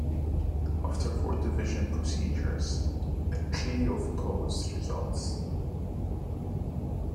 After four division procedures, a tree of codes results.